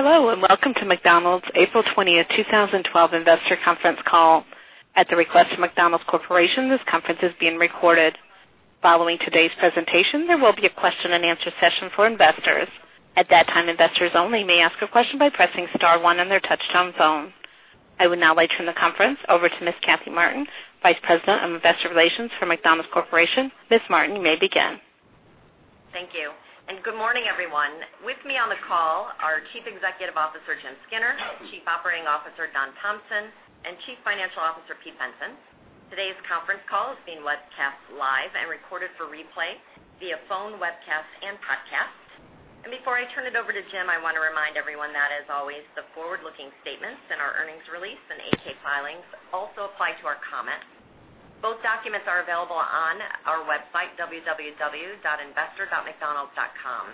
Hello, and welcome to McDonald's April 20th, 2012 Investor Conference Call. At the request of McDonald's Corporation, this conference is being recorded. Following today's presentation, there will be a question and answer session for investors. At that time, investors only may ask a question by pressing star one on their touch-tone phone. I would now like to turn the conference over to Ms. Kathy Martin, Vice President of Investor Relations for McDonald's Corporation. Ms. Martin, you may begin. Thank you, and good morning, everyone. With me on the call are Chief Executive Officer Jim Skinner, Chief Operating Officer Don Thompson, and Chief Financial Officer Pete Bensen. Today's conference call is being webcast live and recorded for replay via phone, webcast, and broadcast. Before I turn it over to Jim, I want to remind everyone that, as always, the forward-looking statements in our earnings release and 8-K filings also apply to our comments. Both documents are available on our website, www.investor.mcdonalds.com,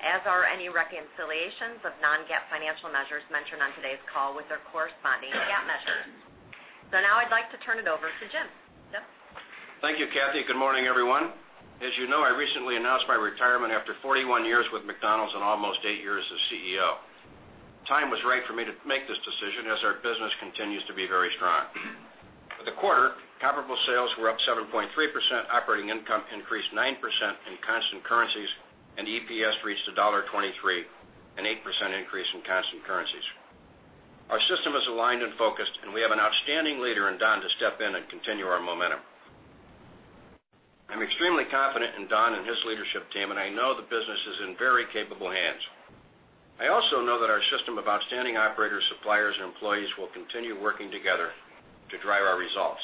as are any reconciliations of non-GAAP financial measures mentioned on today's call with their corresponding GAAP measures. I'd like to turn it over to Jim. Thank you, Kathy. Good morning, everyone. As you know, I recently announced my retirement after 41 years with McDonald's and almost eight years as CEO. Time was right for me to make this decision, as our business continues to be very strong. For the quarter, comparable sales were up 7.3%, operating income increased 9% in constant currencies, and EPS reached $1.23, an 8% increase in constant currencies. Our system is aligned and focused, and we have an outstanding leader in Don to step in and continue our momentum. I'm extremely confident in Don and his leadership team, and I know the business is in very capable hands. I also know that our system of outstanding operators, suppliers, and employees will continue working together to drive our results.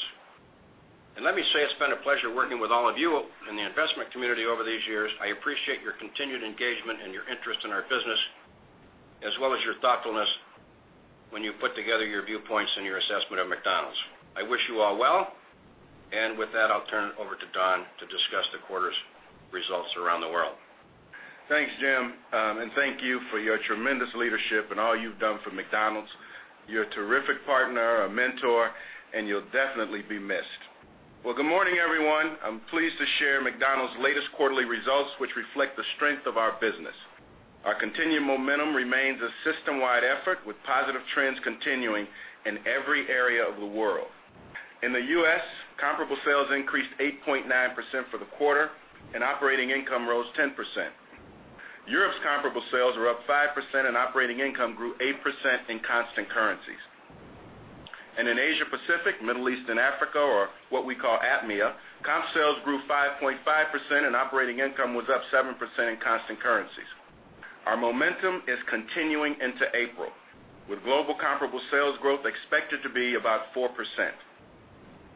Let me say it's been a pleasure working with all of you in the investment community over these years. I appreciate your continued engagement and your interest in our business, as well as your thoughtfulness when you put together your viewpoints and your assessment of McDonald's. I wish you all well, and with that, I'll turn it over to Don to discuss the quarter's results around the world. Thanks, Jim, and thank you for your tremendous leadership and all you've done for McDonald's. You're a terrific partner, a mentor, and you'll definitely be missed. Good morning, everyone. I'm pleased to share McDonald's latest quarterly results, which reflect the strength of our business. Our continued momentum remains a system-wide effort, with positive trends continuing in every area of the world. In the U.S., comparable sales increased 8.9% for the quarter, and operating income rose 10%. Europe's comparable sales were up 5%, and operating income grew 8% in constant currencies. In Asia-Pacific, Middle East, and Africa, or what we call APMIA, comp sales grew 5.5%, and operating income was up 7% in constant currencies. Our momentum is continuing into April, with global comparable sales growth expected to be about 4%.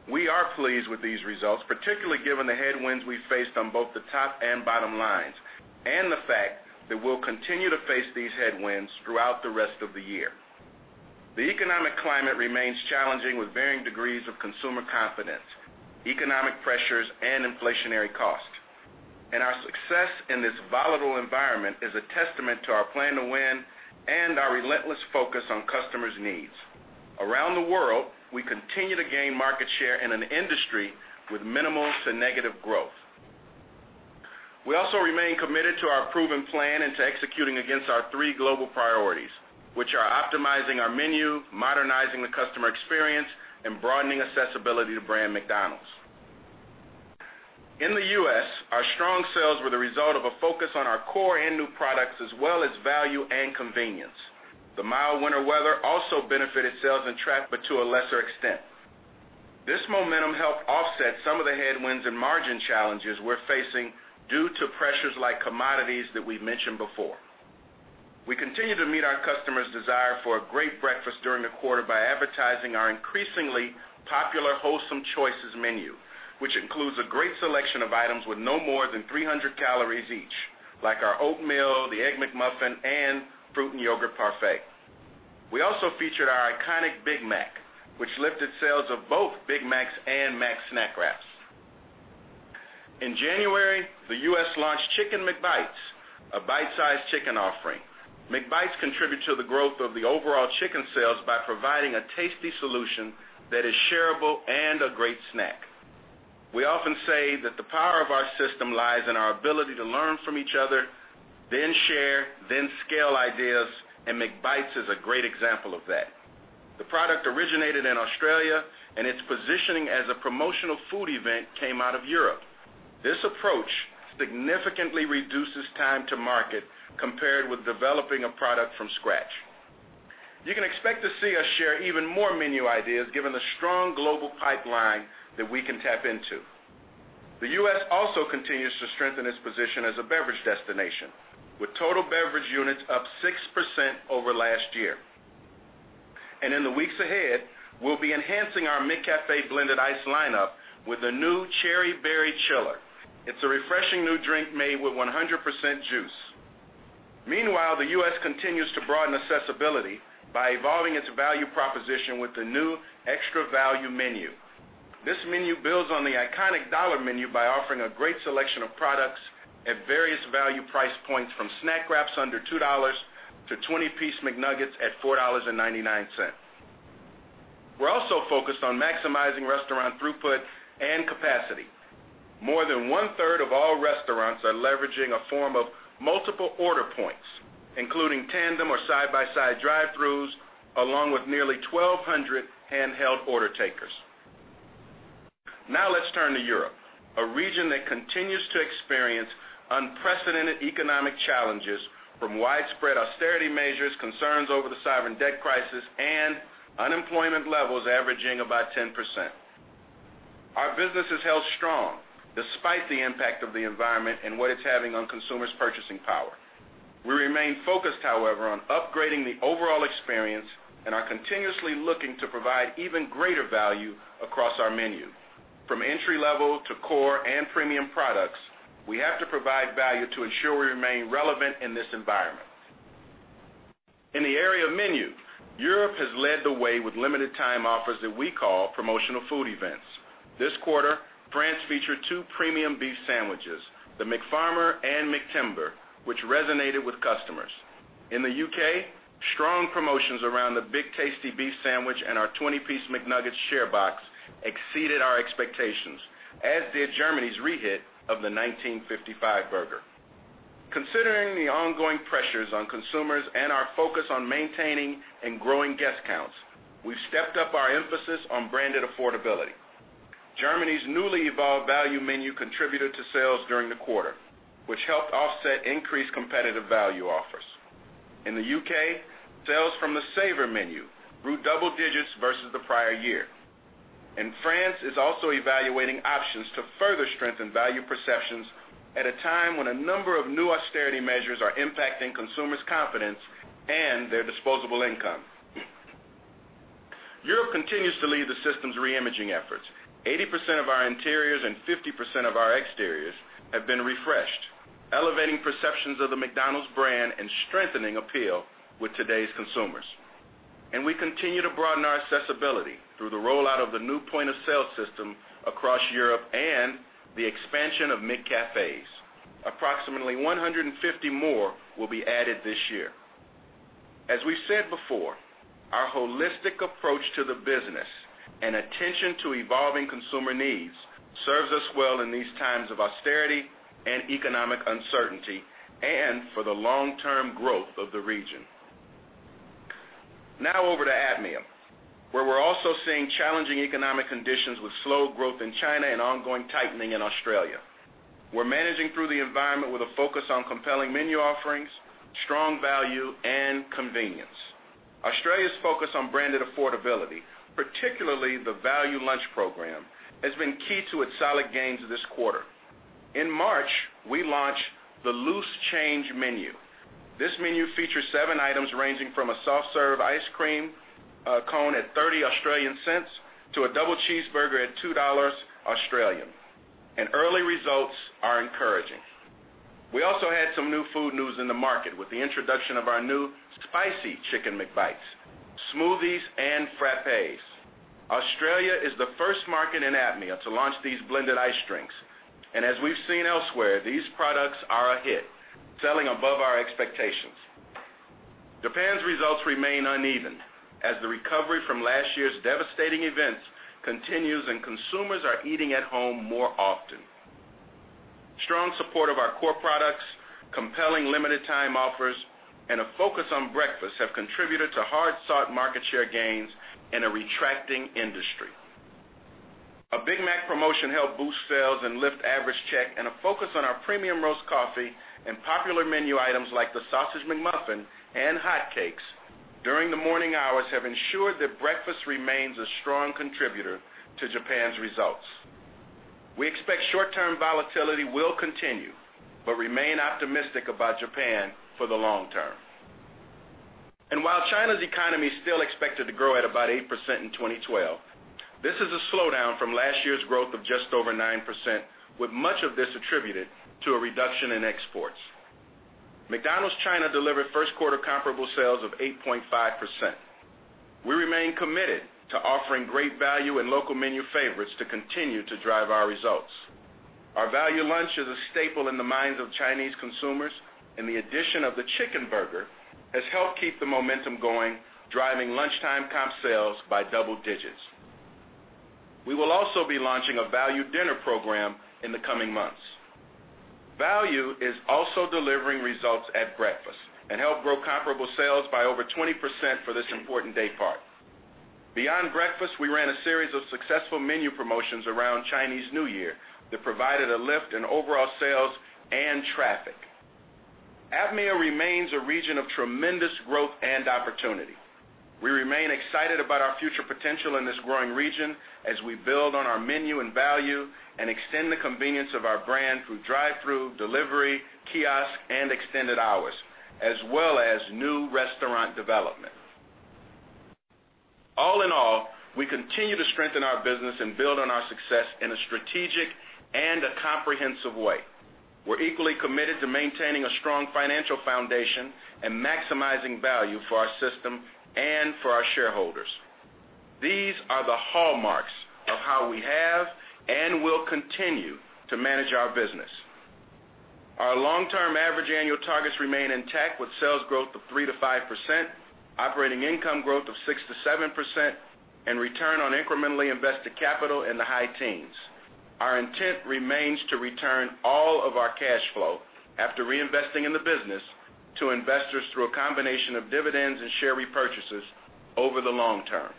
We are pleased with these results, particularly given the headwinds we've faced on both the top and bottom lines, and the fact that we'll continue to face these headwinds throughout the rest of the year. The economic climate remains challenging, with varying degrees of consumer confidence, economic pressures, and inflationary costs. Our success in this volatile environment is a testament to our Plan to Win and our relentless focus on customers' needs. Around the world, we continue to gain market share in an industry with minimal to negative growth. We also remain committed to our proven plan and to executing against our three global priorities, which are optimizing our menu, modernizing the customer experience, and broadening accessibility to brand McDonald's. In the U.S., our strong sales were the result of a focus on our core and new products, as well as value and convenience. The mild winter weather also benefited sales and traffic, but to a lesser extent. This momentum helped offset some of the headwinds and margin challenges we're facing due to pressures like commodities that we mentioned before. We continue to meet our customers' desire for a great breakfast during the quarter by advertising our increasingly popular Wholesome Choices menu, which includes a great selection of items with no more than 300 calories each, like our oatmeal, the Egg McMuffin, and Fruit and Yogurt Parfait. We also featured our iconic Big Mac, which lifted sales of both Big Macs and Mac Snack Wraps. In January, the U.S. launched Chicken McBites, a bite-sized chicken offering. McBites contributes to the growth of the overall chicken sales by providing a tasty solution that is shareable and a great snack. We often say that the power of our system lies in our ability to learn from each other, then share, then scale ideas, and McBites is a great example of that. The product originated in Australia, and its positioning as a promotional food event came out of Europe. This approach significantly reduces time to market compared with developing a product from scratch. You can expect to see us share even more menu ideas, given the strong global pipeline that we can tap into. The U.S. also continues to strengthen its position as a beverage destination, with total beverage units up 6% over last year. In the weeks ahead, we'll be enhancing our McCafe blended ice lineup with a new Cherry Berry Chiller. It's a refreshing new drink made with 100% juice. Meanwhile, the U.S. continues to broaden accessibility by evolving its value proposition with the new Extra Value menu. This menu builds on the iconic Dollar Menu by offering a great selection of products at various value price points, from Snack Wraps under $2 to 20-piece McNuggets at $4.99. We're also focused on maximizing restaurant throughput and capacity. More than one-third of all restaurants are leveraging a form of multiple order points, including tandem or side-by-side drive-throughs, along with nearly 1,200 handheld order takers. Now let's turn to Europe, a region that continues to experience unprecedented economic challenges from widespread austerity measures, concerns over the cyber and debt crisis, and unemployment levels averaging about 10%. Our business has held strong despite the impact of the environment and what it's having on consumers' purchasing power. We remain focused, however, on upgrading the overall experience and are continuously looking to provide even greater value across our menu. From entry-level to core and premium products, we have to provide value to ensure we remain relevant in this environment. In the area of menu, Europe has led the way with limited-time offers that we call promotional food events. This quarter, France featured two premium beef sandwiches, the McFarmer and McTimber, which resonated with customers. In the UK, strong promotions around the Big Tasty beef sandwich and our 20-piece McNuggets share box exceeded our expectations, as did Germany's rehit of the 1955 burger. Considering the ongoing pressures on consumers and our focus on maintaining and growing guest counts, we've stepped up our emphasis on branded affordability. Germany's newly evolved value menu contributed to sales during the quarter, which helped offset increased competitive value offers. In the U.K., sales from the Savor menu grew double digits versus the prior year. France is also evaluating options to further strengthen value perceptions at a time when a number of new austerity measures are impacting consumers' confidence and their disposable income. Europe continues to lead the system's reimaging efforts. 80% of our interiors and 50% of our exteriors have been refreshed, elevating perceptions of the McDonald's brand and strengthening appeal with today's consumers. We continue to broaden our accessibility through the rollout of the new point-of-sale system across Europe and the expansion of McCafes. Approximately 150 more will be added this year. As we've said before, our holistic approach to the business and attention to evolving consumer needs serves us well in these times of austerity and economic uncertainty, and for the long-term growth of the region. Now over to APMIA, where we're also seeing challenging economic conditions with slow growth in China and ongoing tightening in Australia. We're managing through the environment with a focus on compelling menu offerings, strong value, and convenience. Australia's focus on branded affordability, particularly the Value Lunch program, has been key to its solid gains this quarter. In March, we launched the Loose Change menu. This menu features seven items ranging from a soft serve ice cream cone at 0.30 to a double cheeseburger at 2.00 Australian dollars. Early results are encouraging. We also had some new food news in the market with the introduction of our new spicy Chicken McBites, smoothies, and frappes. Australia is the first market in APMIA to launch these blended ice drinks. As we've seen elsewhere, these products are a hit, selling above our expectations. Japan's results remain uneven, as the recovery from last year's devastating events continues and consumers are eating at home more often. Strong support of our core products, compelling limited-time offers, and a focus on breakfast have contributed to hard-sought market share gains in a retracting industry. A Big Mac promotion helped boost sales and lift average check, and a focus on our premium roast coffee and popular menu items like the Sausage McMuffin and hot cakes during the morning hours have ensured that breakfast remains a strong contributor to Japan's results. We expect short-term volatility will continue, but remain optimistic about Japan for the long term. While China's economy is still expected to grow at about 8% in 2012, this is a slowdown from last year's growth of just over 9%, with much of this attributed to a reduction in exports. McDonald's China delivered first-quarter comparable sales of 8.5%. We remain committed to offering great value and local menu favorites to continue to drive our results. Our Value Lunch is a staple in the minds of Chinese consumers, and the addition of the chicken burger has helped keep the momentum going, driving lunchtime comp sales by double digits. We will also be launching a Value Dinner program in the coming months. Value is also delivering results at breakfast and helped grow comparable sales by over 20% for this important day part. Beyond breakfast, we ran a series of successful menu promotions around Chinese New Year that provided a lift in overall sales and traffic. APMIA remains a region of tremendous growth and opportunity. We remain excited about our future potential in this growing region as we build on our menu and value and extend the convenience of our brand through drive-through, delivery, kiosks, and extended hours, as well as new restaurant development. All in all, we continue to strengthen our business and build on our success in a strategic and a comprehensive way. We're equally committed to maintaining a strong financial foundation and maximizing value for our system and for our shareholders. These are the hallmarks of how we have and will continue to manage our business. Our long-term average annual targets remain intact, with sales growth of 3%-5%, operating income growth of 6%-7%, and return on incremental invested capital in the high teens. Our intent remains to return all of our cash flow after reinvesting in the business to investors through a combination of dividends and share repurchases over the long term.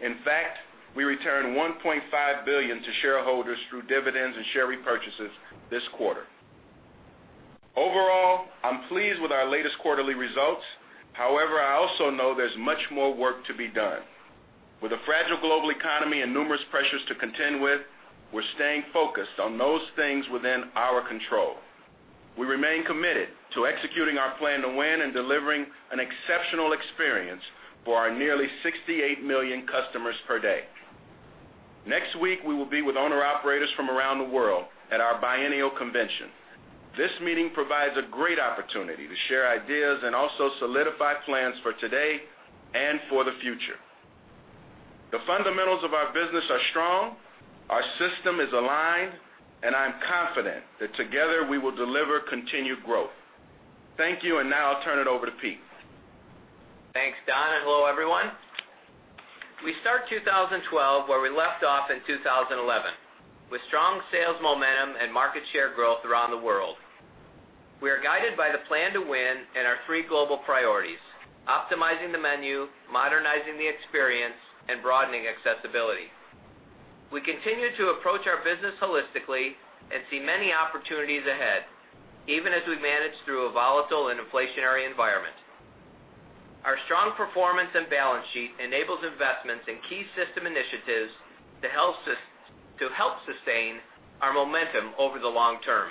In fact, we returned $1.5 billion to shareholders through dividends and share repurchases this quarter. Overall, I'm pleased with our latest quarterly results. However, I also know there's much more work to be done. With a fragile global economy and numerous pressures to contend with, we're staying focused on those things within our control. We remain committed to executing our Plan to Win and delivering an exceptional experience for our nearly 68 million customers per day. Next week, we will be with owner-operators from around the world at our biennial convention. This meeting provides a great opportunity to share ideas and also solidify plans for today and for the future. The fundamentals of our business are strong, our system is aligned, and I'm confident that together we will deliver continued growth. Thank you, and now I'll turn it over to Pete. Thanks, Don, and hello, everyone. We start 2012 where we left off in 2011 with strong sales momentum and market share growth around the world. We are guided by the Plan to Win and our three global priorities: optimizing the menu, modernizing the experience, and broadening accessibility. We continue to approach our business holistically and see many opportunities ahead, even as we manage through a volatile and inflationary environment. Our strong performance and balance sheet enable investments in key system initiatives to help sustain our momentum over the long term.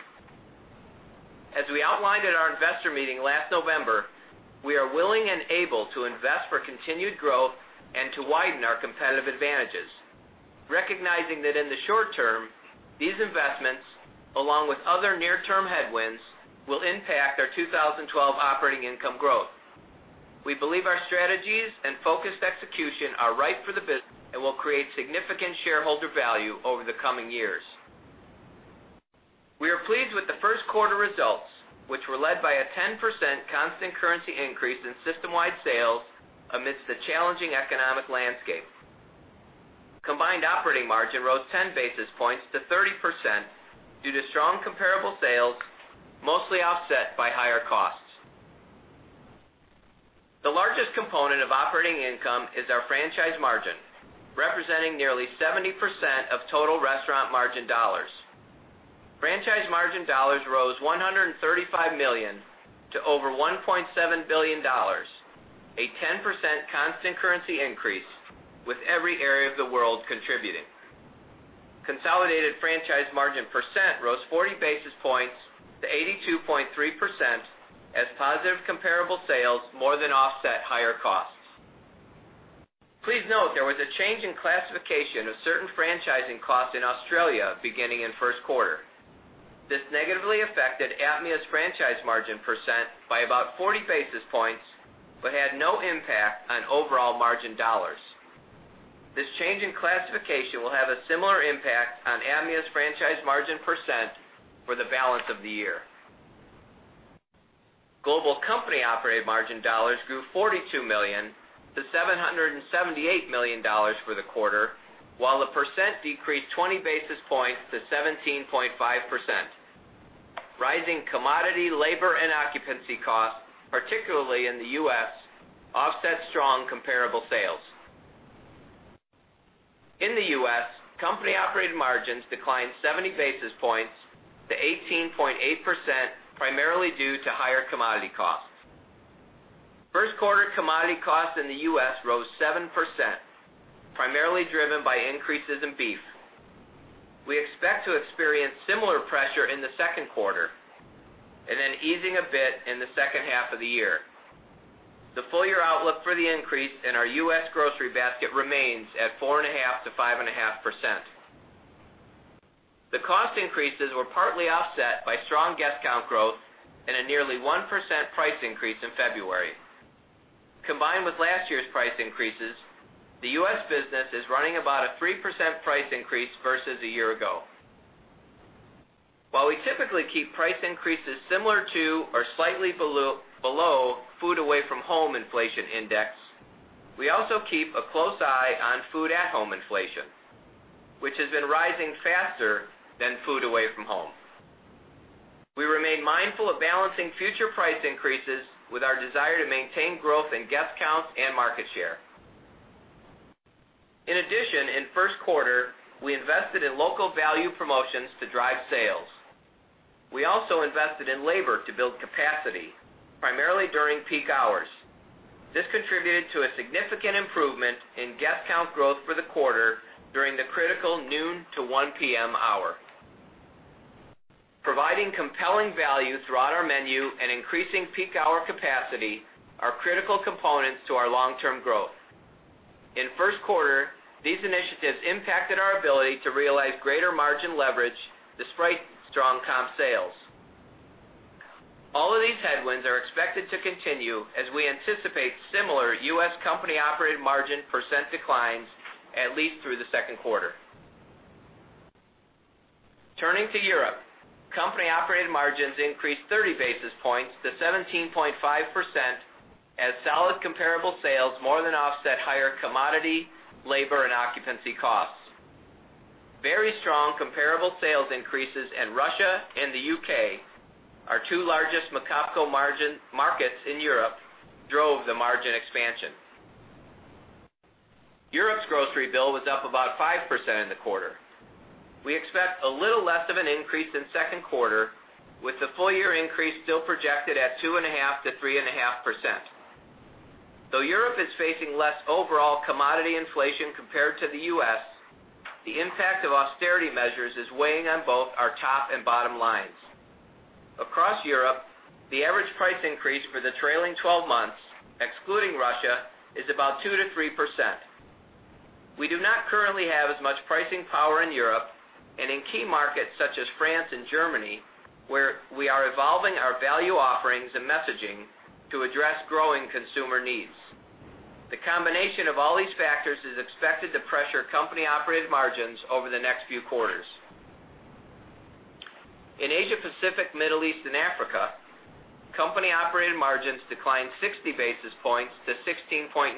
As we outlined at our investor meeting last November, we are willing and able to invest for continued growth and to widen our competitive advantages, recognizing that in the short term, these investments, along with other near-term headwinds, will impact our 2012 operating income growth. We believe our strategies and focused execution are right for the business and will create significant shareholder value over the coming years. We are pleased with the first quarter results, which were led by a 10% constant currency increase in system-wide sales amidst the challenging economic landscape. Combined operating margin rose 10 basis points to 30% due to strong comparable sales, mostly offset by higher costs. The largest component of operating income is our franchise margin, representing nearly 70% of total restaurant margin dollars. Franchise margin dollars rose $135 million to over $1.7 billion, a 10% constant currency increase with every area of the world contributing. Consolidated franchise margin percent rose 40 basis points to 82.3%, as positive comparable sales more than offset higher costs. Please note there was a change in classification of certain franchising costs in Australia beginning in the first quarter. This negatively affected APMIA's franchise margin percent by about 40 basis points, but had no impact on overall margin dollars. This change in classification will have a similar impact on APMIA's franchise margin percent for the balance of the year. Global company operating margin dollars grew $42 million to $778 million for the quarter, while the percent decreased 20 basis points to 17.5%. Rising commodity, labor, and occupancy costs, particularly in the U.S., offset strong comparable sales. In the U.S., company operating margins declined 70 basis points to 18.8%, primarily due to higher commodity costs. First quarter commodity costs in the U.S. rose 7%, primarily driven by increases in beef. We expect to experience similar pressure in the second quarter and an easing a bit in the second half of the year. The full-year outlook for the increase in our U.S. grocery basket remains at 4.5%-5.5%. The cost increases were partly offset by strong guest count growth and a nearly 1% price increase in February. Combined with last year's price increases, the U.S. business is running about a 3% price increase versus a year ago. While we typically keep price increases similar to or slightly below food away from home inflation index, we also keep a close eye on food at home inflation, which has been rising faster than food away from home. We remain mindful of balancing future price increases with our desire to maintain growth in guest counts and market share. In addition, in the first quarter, we invested in local value promotions to drive sales. We also invested in labor to build capacity, primarily during peak hours. This contributed to a significant improvement in guest count growth for the quarter during the critical noon to 1:00 P.M. hour. Providing compelling value throughout our menu and increasing peak hour capacity are critical components to our long-term growth. In the first quarter, these initiatives impacted our ability to realize greater margin leverage despite strong comp sales. All of these headwinds are expected to continue as we anticipate similar U.S. company operating margin percent declines, at least through the second quarter. Turning to Europe, company operating margins increased 30 basis points to 17.5%, as solid comparable sales more than offset higher commodity, labor, and occupancy costs. Very strong comparable sales increases in Russia and the U.K., our two largest margin markets in Europe, drove the margin expansion. Europe's grocery bill was up about 5% in the quarter. We expect a little less of an increase in the second quarter, with the full-year increase still projected at 2.5%-3.5%. Though Europe is facing less overall commodity inflation compared to the U.S., the impact of austerity measures is weighing on both our top and bottom lines. Across Europe, the average price increase for the trailing 12 months, excluding Russia, is about 2%-3%. We do not currently have as much pricing power in Europe and in key markets such as France and Germany, where we are evolving our value offerings and messaging to address growing consumer needs. The combination of all these factors is expected to pressure company operating margins over the next few quarters. In Asia-Pacific, Middle East, and Africa, company operating margins declined 60 basis points to 16.9%,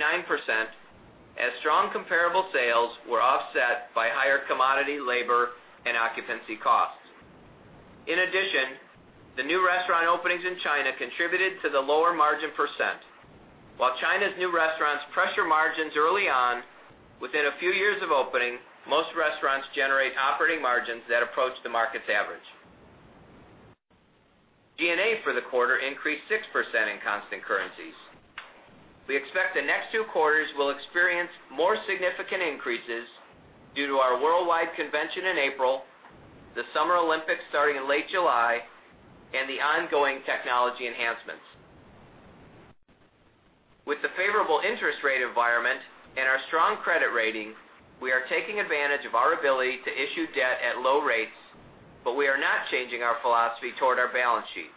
as strong comparable sales were offset by higher commodity, labor, and occupancy costs. In addition, the new restaurant openings in China contributed to the lower margin percent. While China's new restaurants pressure margins early on, within a few years of opening, most restaurants generate operating margins that approach the market's average. G&A for the quarter increased 6% in constant currencies. We expect the next two quarters will experience more significant increases due to our worldwide convention in April, the Summer Olympics starting in late July, and the ongoing technology enhancements. With the favorable interest rate environment and our strong credit rating, we are taking advantage of our ability to issue debt at low rates, but we are not changing our philosophy toward our balance sheet.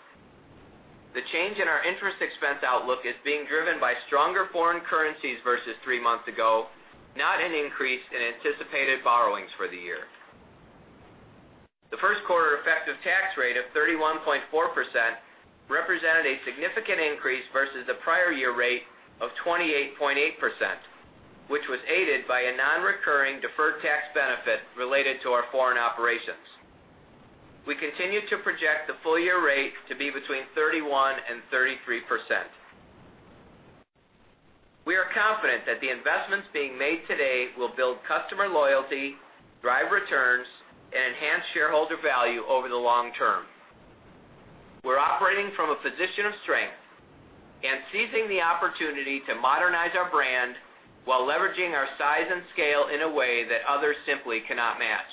The change in our interest expense outlook is being driven by stronger foreign currencies versus three months ago, not an increase in anticipated borrowings for the year. The first quarter effective tax rate of 31.4% represented a significant increase versus the prior year rate of 28.8%, which was aided by a non-recurring deferred tax benefit related to our foreign operations. We continue to project the full-year rate to be between 31% and 33%. We are confident that the investments being made today will build customer loyalty, drive returns, and enhance shareholder value over the long term. We're operating from a position of strength and seizing the opportunity to modernize our brand while leveraging our size and scale in a way that others simply cannot match.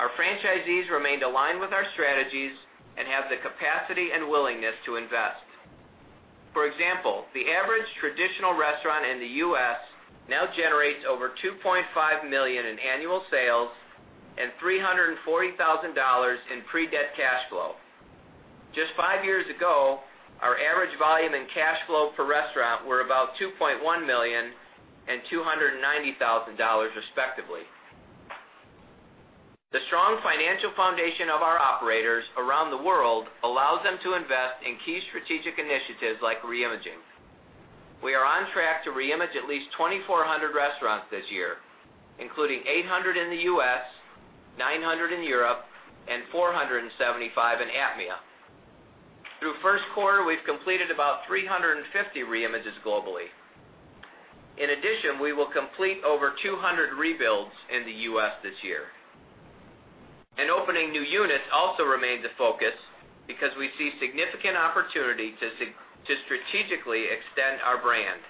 Our franchisees remained aligned with our strategies and have the capacity and willingness to invest. For example, the average traditional restaurant in the U.S. now generates over $2.5 million in annual sales and $340,000 in pre-debt cash flow. Just five years ago, our average volume and cash flow per restaurant were about $2.1 million and $290,000, respectively. The strong financial foundation of our operators around the world allows them to invest in key strategic initiatives like reimaging. We are on track to reimage at least 2,400 restaurants this year, including 800 in the U.S., 900 in Europe, and 475 in APMIA. Through the first quarter, we've completed about 350 reimages globally. In addition, we will complete over 200 rebuilds in the U.S. this year. Opening new units also remains a focus because we see significant opportunity to strategically extend our brand.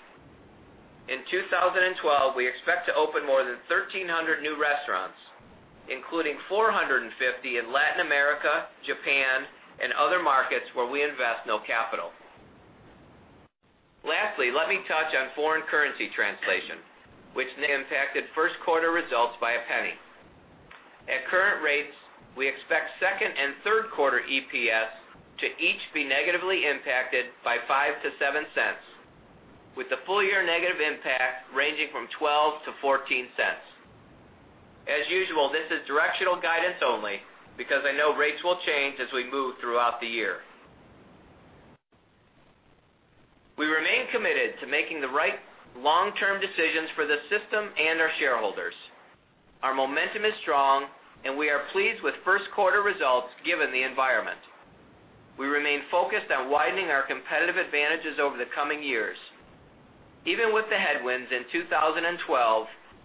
In 2012, we expect to open more than 1,300 new restaurants, including 450 in Latin America, Japan, and other markets where we invest no capital. Lastly, let me touch on foreign currency translation, which impacted first quarter results by $0.01. At current rates, we expect second and third quarter EPS to each be negatively impacted by $0.05-$0.07, with the full year negative impact ranging from $0.12-$0.14. As usual, this is directional guidance only because I know rates will change as we move throughout the year. We remain committed to making the right long-term decisions for the system and our shareholders. Our momentum is strong, and we are pleased with first quarter results given the environment. We remain focused on widening our competitive advantages over the coming years. Even with the headwinds in 2012,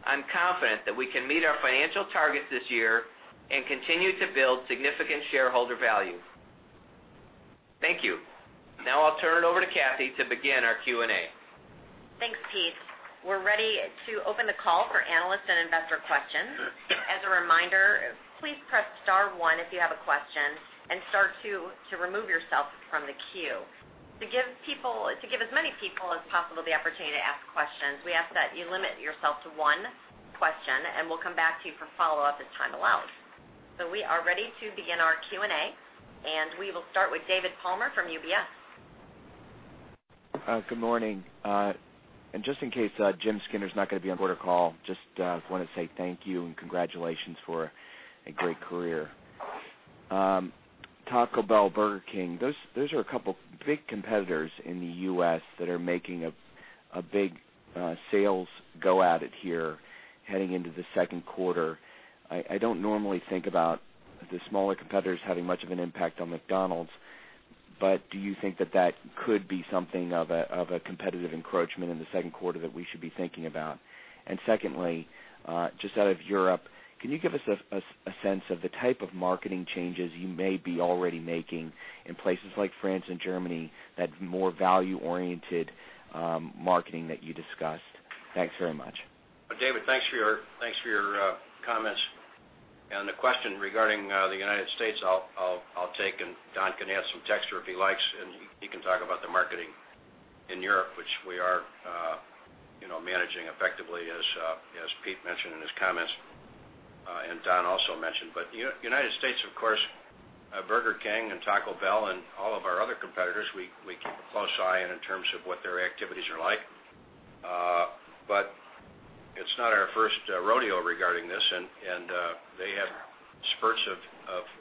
I'm confident that we can meet our financial targets this year and continue to build significant shareholder value. Thank you. Now I'll turn it over to Kathy to begin our Q&A. Thanks, Pete. We're ready to open the call for analysts and investor questions. As a reminder, please press star one if you have a question and star two to remove yourself from the queue. To give as many people as possible the opportunity to ask questions, we ask that you limit yourself to one question, and we'll come back to you for follow-up as time allows. We are ready to begin our Q&A, and we will start with David Palmer from UBS. Good morning. Just in case Jim Skinner is not going to be on the quarter call, I just want to say thank you and congratulations for a great career. Taco Bell, Burger King, those are a couple of big competitors in the U.S. that are making a big sales go at it here heading into the second quarter. I don't normally think about the smaller competitors having much of an impact on McDonald's, but do you think that that could be something of a competitive encroachment in the second quarter that we should be thinking about? Secondly, just out of Europe, can you give us a sense of the type of marketing changes you may be already making in places like France and Germany, that more value-oriented marketing that you discussed? Thanks very much. David, thanks for your comments. The question regarding the United States, I'll take, and Don can add some texture if he likes, and he can talk about the marketing in Europe, which we are managing effectively, as Pete mentioned in his comments and Don also mentioned. The United States, of course, Burger King and Taco Bell and all of our other competitors, we keep a close eye in terms of what their activities are like. It's not our first rodeo regarding this, and they have spurts of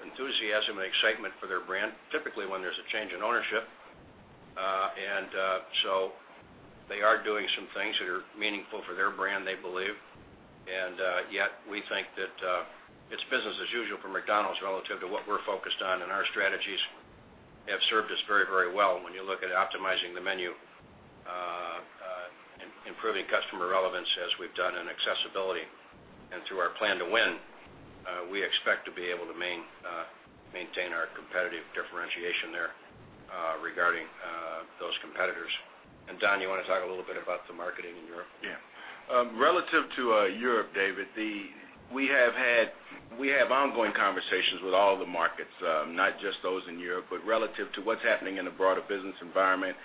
enthusiasm and excitement for their brand, typically when there's a change in ownership. They are doing some things that are meaningful for their brand, they believe. Yet we think that it's business as usual for McDonald's relative to what we're focused on, and our strategies have served us very, very well when you look at optimizing the menu and improving customer relevance, as we've done in accessibility. Through our Plan to Win, we expect to be able to maintain our competitive differentiation there regarding those competitors. Don, you want to talk a little bit about the marketing in Europe? Yeah. Relative to Europe, David, we have had ongoing conversations with all the markets, not just those in Europe, but relative to what's happening in the broader business environment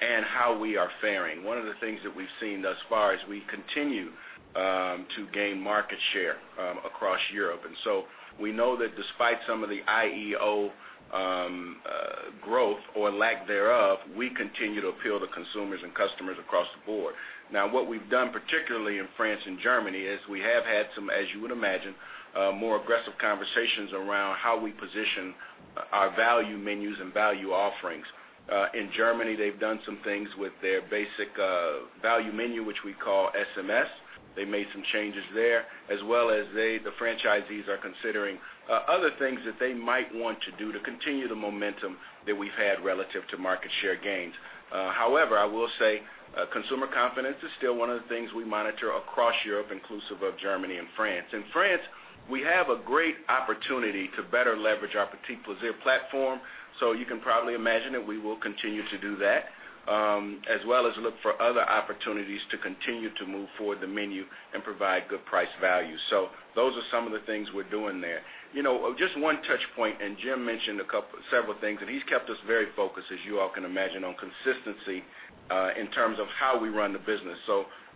and how we are faring. One of the things that we've seen thus far is we continue to gain market share across Europe. We know that despite some of the IEO growth or lack thereof, we continue to appeal to consumers and customers across the board. What we've done, particularly in France and Germany, is we have had some, as you would imagine, more aggressive conversations around how we position our value menus and value offerings. In Germany, they've done some things with their basic value menu, which we call SMS. They made some changes there, as well as the franchisees are considering other things that they might want to do to continue the momentum that we've had relative to market share gains. However, I will say consumer confidence is still one of the things we monitor across Europe, inclusive of Germany and France. In France, we have a great opportunity to better leverage our P'tits Plaisirs platform, so you can probably imagine that we will continue to do that, as well as look for other opportunities to continue to move forward the menu and provide good price value. Those are some of the things we're doing there. Just one touch point, Jim mentioned several things, and he's kept us very focused, as you all can imagine, on consistency in terms of how we run the business.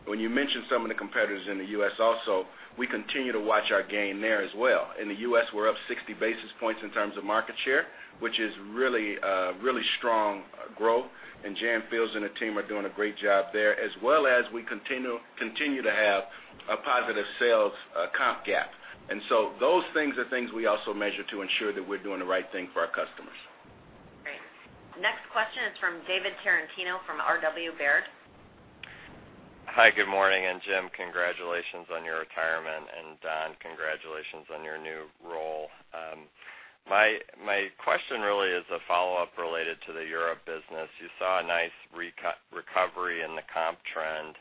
When you mention some of the competitors in the U.S. also, we continue to watch our gain there as well. In the U.S., we're up 60 basis points in terms of market share, which is really, really strong growth. Jan Fields and her team are doing a great job there, as well as we continue to have a positive sales comp gap. Those things are things we also measure to ensure that we're doing the right thing for our customers. Thanks. Next question is from David Tarantino from R.W. Baird. Hi, good morning. Jim, congratulations on your retirement. Don, congratulations on your new role. My question really is a follow-up related to the Europe business. You saw a nice recovery in the comp trend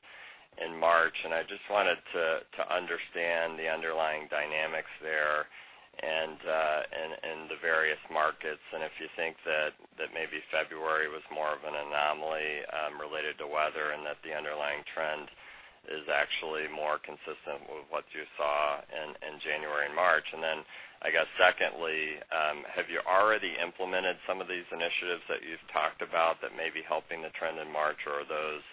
in March, and I just wanted to understand the underlying dynamics there and the various markets. Do you think that maybe February was more of an anomaly related to weather and that the underlying trend is actually more consistent with what you saw in January and March? Secondly, have you already implemented some of these initiatives that you've talked about that may be helping the trend in March, or are those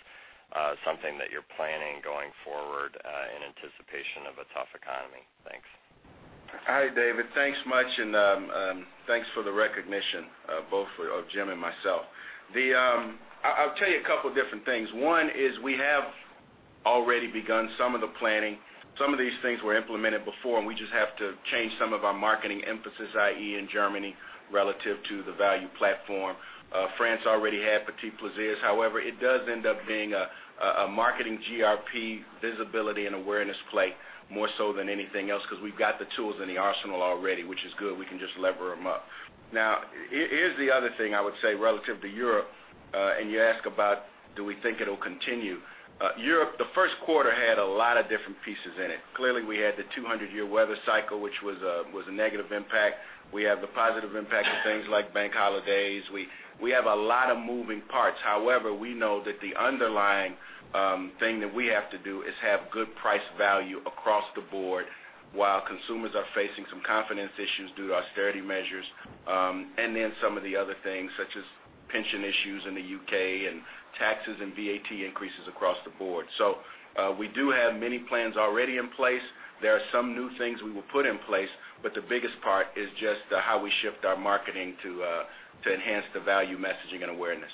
something that you're planning going forward in anticipation of a tough economy? Thanks. Hi, David. Thanks much, and thanks for the recognition both of Jim and myself. I'll tell you a couple of different things. One is we have already begun some of the planning. Some of these things were implemented before, and we just have to change some of our marketing emphasis, i.e., in Germany, relative to the value platform. France already had P'tits Plaisirs. However, it does end up being a marketing GRP, visibility, and awareness play more so than anything else, because we've got the tools in the arsenal already, which is good. We can just lever them up. Now, here's the other thing I would say relative to Europe, and you ask about do we think it'll continue. Europe, the first quarter had a lot of different pieces in it. Clearly, we had the 200-year weather cycle, which was a negative impact. We have the positive impact of things like bank holidays. We have a lot of moving parts. However, we know that the underlying thing that we have to do is have good price value across the board while consumers are facing some confidence issues due to austerity measures, and then some of the other things, such as pension issues in the UK and taxes and VAT increases across the board. We do have many plans already in place. There are some new things we will put in place, but the biggest part is just how we shift our marketing to enhance the value messaging and awareness.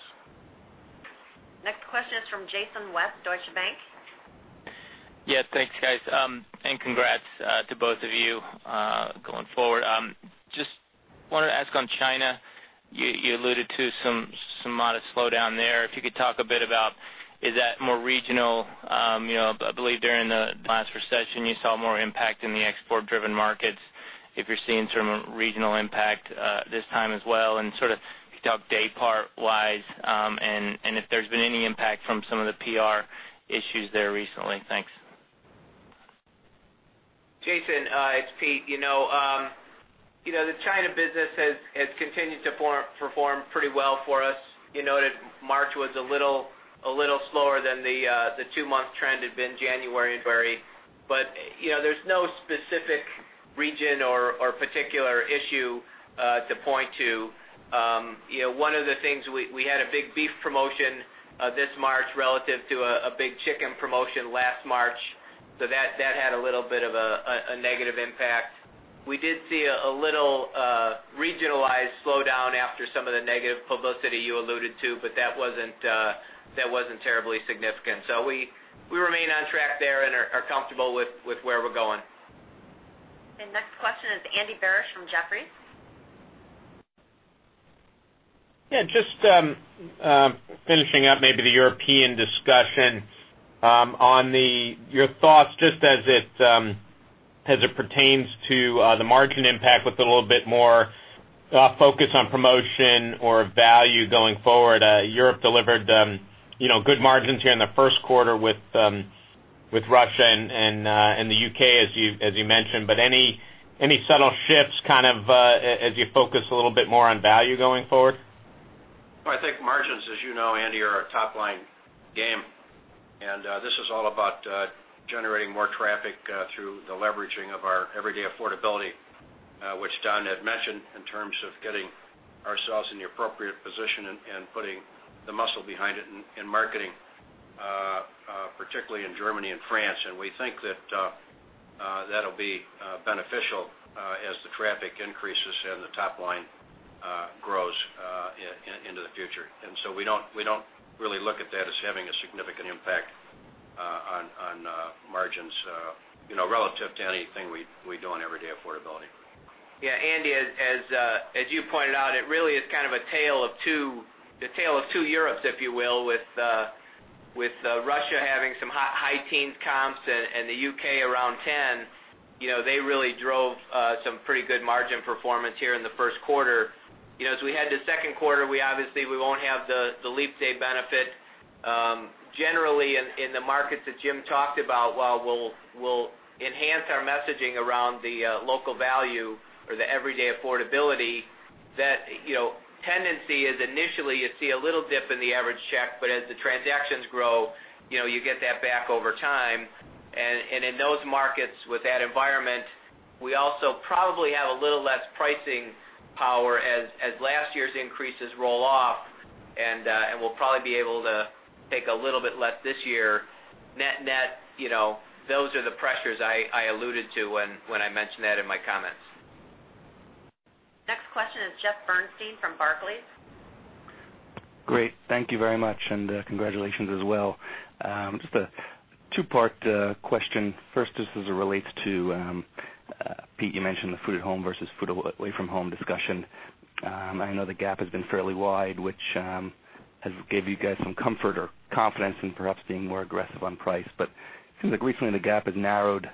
Next question is from Jason West, Deutsche Bank. Yeah, thanks, guys, and congrats to both of you going forward. Just wanted to ask on China. You alluded to some modest slowdown there. If you could talk a bit about, is that more regional? I believe during the last recession, you saw more impact in the export-driven markets. If you're seeing some regional impact this time as well, and if you could talk day part-wise, and if there's been any impact from some of the PR issues there recently. Thanks. Jason, it's Pete. You know the China business has continued to perform pretty well for us. You noted March was a little slower than the two-month trend had been January and February, but there's no specific region or particular issue to point to. One of the things, we had a big beef promotion this March relative to a big chicken promotion last March, so that had a little bit of a negative impact. We did see a little regionalized slowdown after some of the negative publicity you alluded to, but that wasn't terribly significant. We remain on track there and are comfortable with where we're going. The next question is Andy Barish from Jefferies. Yeah, just finishing up maybe the European discussion on your thoughts just as it pertains to the margin impact, with a little bit more focus on promotion or value going forward. Europe delivered good margins here in the first quarter with Russia and the U.K., as you mentioned. Any subtle shifts kind of as you focus a little bit more on value going forward? I think margins, as you know, Andy, are our top-line game, and this is all about generating more traffic through the leveraging of our everyday affordability, which Don had mentioned in terms of getting ourselves in the appropriate position and putting the muscle behind it in marketing, particularly in Germany and France. We think that that'll be beneficial as the traffic increases and the top line grows into the future. We don't really look at that as having a significant impact on margins relative to anything we do on everyday affordability. Yeah, Andy, as you pointed out, it really is kind of a tale of two, the tale of two Europes, if you will, with Russia having some high teens comps and the U.K. around 10%. They really drove some pretty good margin performance here in the first quarter. As we head to the second quarter, we obviously won't have the leap day benefit. Generally, in the markets that Jim talked about, while we'll enhance our messaging around the local value or the everyday affordability, that tendency is initially you'd see a little dip in the average check, but as the transactions grow, you get that back over time. In those markets, with that environment, we also probably have a little less pricing power as last year's increases roll off, and we'll probably be able to take a little bit less this year. Net-net, those are the pressures I alluded to when I mentioned that in my comments. Next question is Jeff Bernstein from Barclays. Great, thank you very much, and congratulations as well. Just a two-part question. First, just as it relates to Pete, you mentioned the food at home versus food away from home discussion. I know the gap has been fairly wide, which gave you guys some comfort or confidence in perhaps being more aggressive on price, but it seems like recently the gap has narrowed.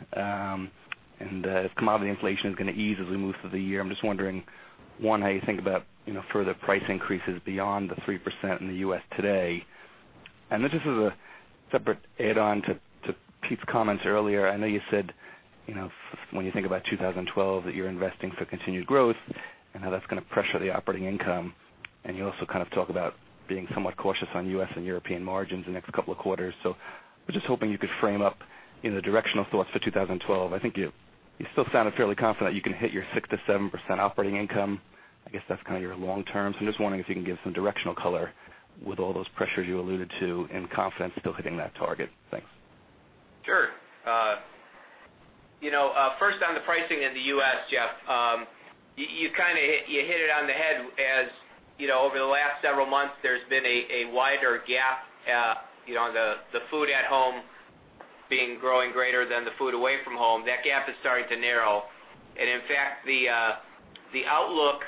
If commodity inflation is going to ease as we move through the year, I'm just wondering, one, how you think about further price increases beyond the 3% in the U.S. today. Just as a separate add-on to Pete's comments earlier, I know you said when you think about 2012 that you're investing for continued growth and how that's going to pressure the operating income. You also kind of talk about being somewhat cautious on U.S. and European margins in the next couple of quarters. I'm just hoping you could frame up the directional thoughts for 2012. I think you still sound fairly confident that you can hit your 6%-7% operating income. I guess that's kind of your long term. I'm just wondering if you can give some directional color with all those pressures you alluded to and confidence still hitting that target. Thanks. Sure. First on the pricing in the U.S., Jeff, you kind of hit it on the head as over the last several months there's been a wider gap on the food at home being growing greater than the food away from home. That gap is starting to narrow. In fact, the outlook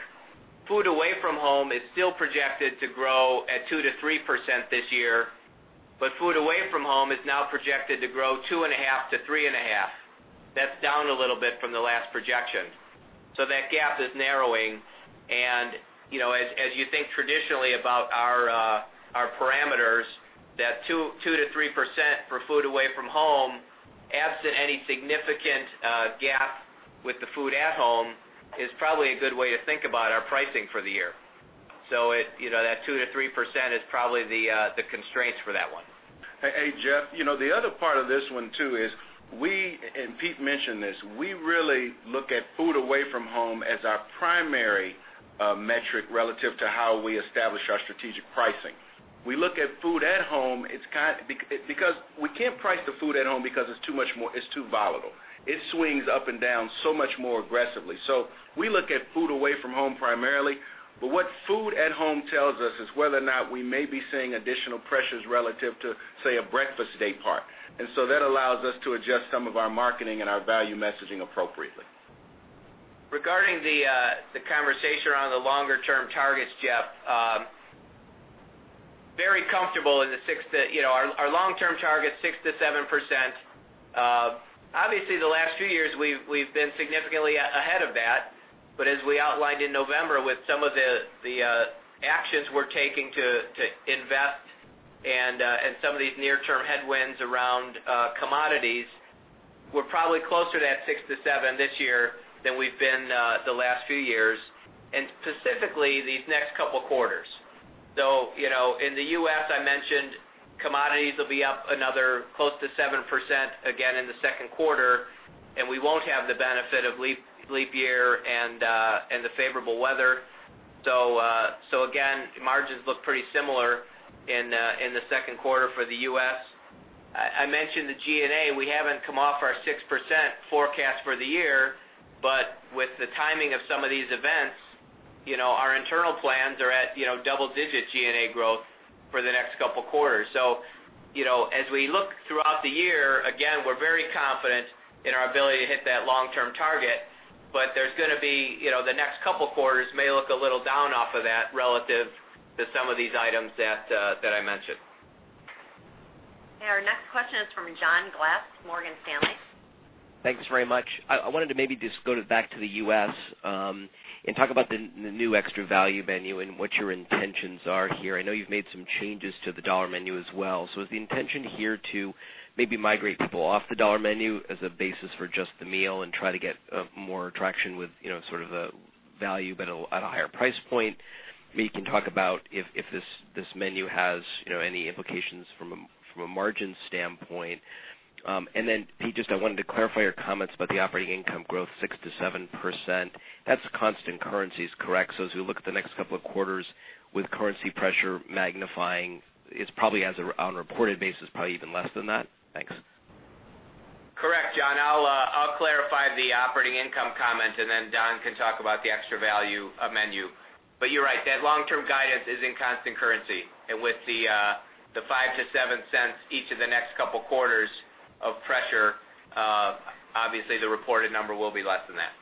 food away from home is still projected to grow at 2%-3% this year, but food away from home is now projected to grow 2.5%-3.5%. That's down a little bit from the last projection. That gap is narrowing. As you think traditionally about our parameters, that 2%-3% for food away from home, absent any significant gap with the food at home, is probably a good way to think about our pricing for the year. That 2%-3% is probably the constraints for that one. Hey, Jeff, you know the other part of this one too is we, and Pete mentioned this, we really look at food away from home as our primary metric relative to how we establish our strategic pricing. We look at food at home because we can't price the food at home because it's too volatile. It swings up and down so much more aggressively. We look at food away from home primarily, but what food at home tells us is whether or not we may be seeing additional pressures relative to, say, a breakfast day part. That allows us to adjust some of our marketing and our value messaging appropriately. Regarding the conversation around the longer-term targets, Jeff, very comfortable in the 6% to, you know, our long-term targets, 6%-7%. Obviously, the last few years we've been significantly ahead of that, but as we outlined in November with some of the actions we're taking to invest and some of these near-term headwinds around commodities, we're probably closer to that 6%-7% this year than we've been the last few years, and specifically these next couple of quarters. In the U.S., I mentioned commodities will be up another close to 7% again in the second quarter, and we won't have the benefit of leap year and the favorable weather. Margins look pretty similar in the second quarter for the U.S. I mentioned the G&A. We haven't come off our 6% forecast for the year, but with the timing of some of these events, our internal plans are at double-digit G&A growth for the next couple of quarters. As we look throughout the year, we're very confident in our ability to hit that long-term target, but the next couple of quarters may look a little down off of that relative to some of these items that I mentioned. Our next question is from John Glass, Morgan Stanley. Thanks very much. I wanted to maybe just go back to the U.S. and talk about the new extra value menu and what your intentions are here. I know you've made some changes to the dollar menu as well. Is the intention here to maybe migrate people off the dollar menu as a basis for just the meal and try to get more traction with sort of a value but at a higher price point? Maybe you can talk about if this menu has any implications from a margin standpoint. Pete, I wanted to clarify your comments about the operating income growth, 6%-7%. That's a constant currency, is that correct? As we look at the next couple of quarters with currency pressure magnifying, it's probably on a reported basis, probably even less than that. Thanks. Correct, John. I'll clarify the operating income comment, and then Don can talk about the extra value menu. You're right, that long-term guidance is in constant currency. With the 5%-7% each of the next couple of quarters of pressure, obviously the reported number will be less than that.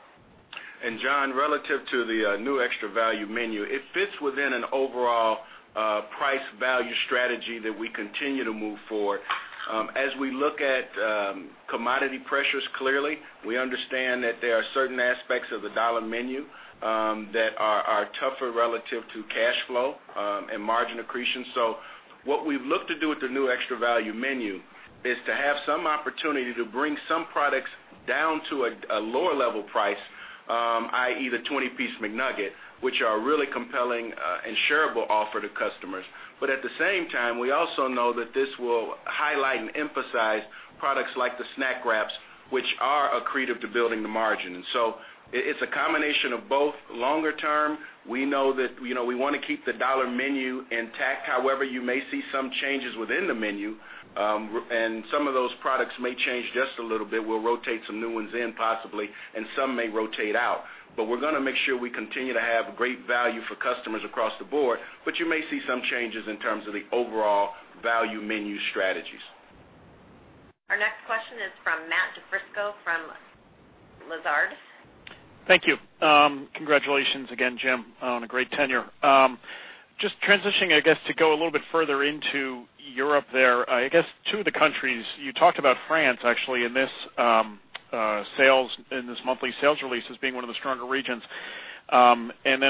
Relative to the new extra value menu, it fits within an overall price value strategy that we continue to move forward. As we look at commodity pressures, clearly, we understand that there are certain aspects of the dollar menu that are tougher relative to cash flow and margin accretion. What we've looked to do with the new extra value menu is to have some opportunity to bring some products down to a lower level price, i.e. the 20-piece McNugget, which are a really compelling and shareable offer to customers. At the same time, we also know that this will highlight and emphasize products like the Snack Wraps, which are accretive to building the margin. It's a combination of both. Longer term, we know that we want to keep the dollar menu intact. However, you may see some changes within the menu, and some of those products may change just a little bit. We'll rotate some new ones in possibly, and some may rotate out. We're going to make sure we continue to have great value for customers across the board, but you may see some changes in terms of the overall value menu strategies. Our next question is from Matt DiFrisco from Lazard. Thank you. Congratulations again, Jim, on a great tenure. Just transitioning, I guess, to go a little bit further into Europe there. I guess two of the countries you talked about, France, actually, in this monthly sales release as being one of the stronger regions.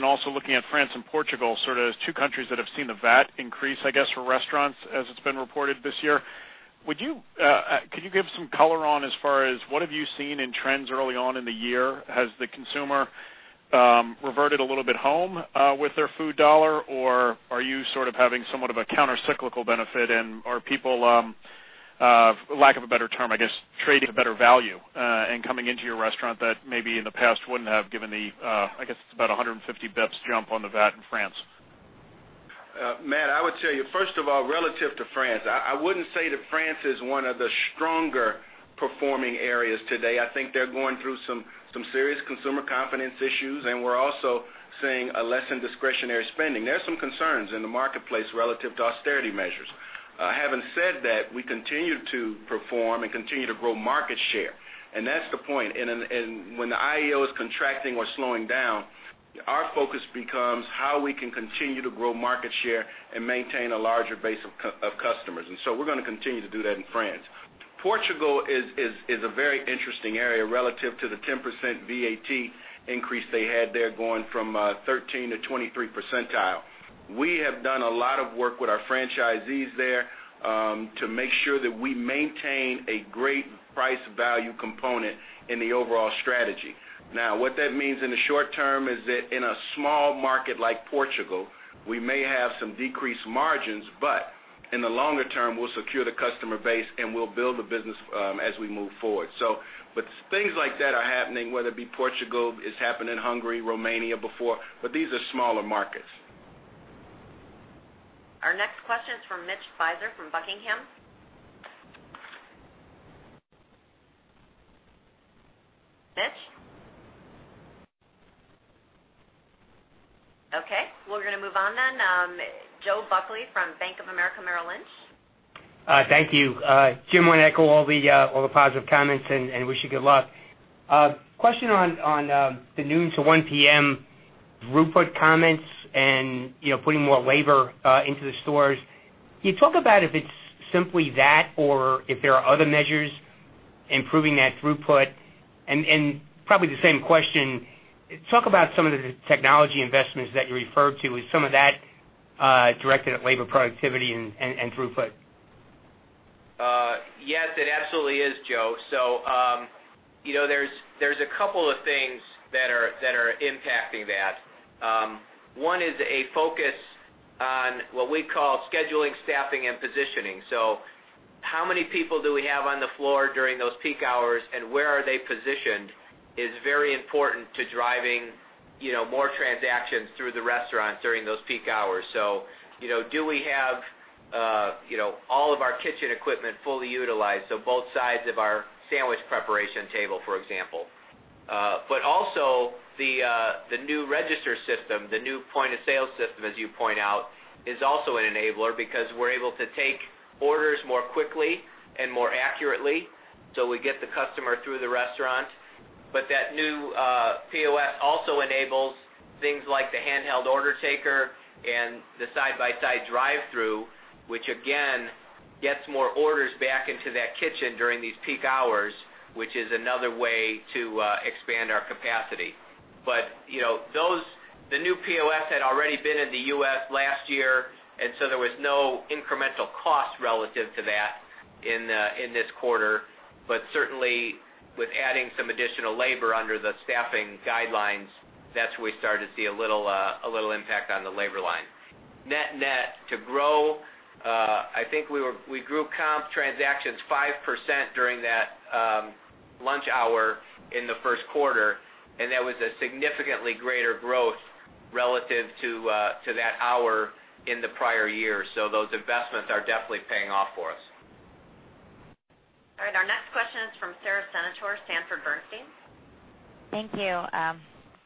Also looking at France and Portugal as two countries that have seen the VAT increase, I guess, for restaurants as it's been reported this year. Could you give some color on what you have seen in trends early on in the year? Has the consumer reverted a little bit home with their food dollar, or are you having somewhat of a countercyclical benefit? Are people, for lack of a better term, trading a better value and coming into your restaurant that maybe in the past wouldn't have given the, I guess, it's about 150 bps jump on the VAT in France? Matt, I would tell you, first of all, relative to France, I wouldn't say that France is one of the stronger performing areas today. I think they're going through some serious consumer confidence issues, and we're also seeing a lessened discretionary spending. There are some concerns in the marketplace relative to austerity measures. Having said that, we continue to perform and continue to grow market share, and that's the point. When the IEO is contracting or slowing down, our focus becomes how we can continue to grow market share and maintain a larger base of customers. We're going to continue to do that in France. Portugal is a very interesting area relative to the 10% VAT increase they had there, going from 13% to 23%. We have done a lot of work with our franchisees there to make sure that we maintain a great price value component in the overall strategy. What that means in the short term is that in a small market like Portugal, we may have some decreased margins, but in the longer term, we'll secure the customer base and we'll build the business as we move forward. Things like that are happening, whether it be Portugal, it's happened in Hungary, Romania, before, but these are smaller markets. Our next question is from Mitch Pfizer from Buckingham. Mitch? OK, we're going to move on then. Joe Buckley from Bank of America. Thank you. Jim wanted to echo all the positive comments and wish you good luck. Question on the noon to 1:00 P.M. throughput comments and putting more labor into the stores. You talk about if it's simply that or if there are other measures improving that throughput. Probably the same question, talk about some of the technology investments that you referred to. Is some of that directed at labor productivity and throughput? Yes, it absolutely is, Joe. There are a couple of things that are impacting that. One is a focus on what we call scheduling, staffing, and positioning. How many people do we have on the floor during those peak hours and where are they positioned is very important to driving more transactions through the restaurant during those peak hours. Do we have all of our kitchen equipment fully utilized, both sides of our sandwich preparation table, for example? The new register system, the new point of sale system, as you point out, is also an enabler because we're able to take orders more quickly and more accurately. We get the customer through the restaurant. That new POS also enables things like the handheld order taker and the side-by-side drive-through, which again gets more orders back into that kitchen during these peak hours, which is another way to expand our capacity. The new POS had already been in the U.S. last year, and there was no incremental cost relative to that in this quarter. Certainly, with adding some additional labor under the staffing guidelines, that's where we started to see a little impact on the labor line. Net-net, to grow, I think we grew comp transactions 5% during that lunch hour in the first quarter, and that was a significantly greater growth relative to that hour in the prior year. Those investments are definitely paying off for us. All right, our next question is from Sara Senatore, Sanford Bernstein. Thank you.